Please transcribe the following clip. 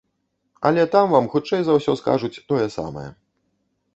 Але там вам хутчэй за ўсё скажуць тое самае.